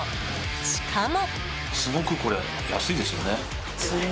しかも。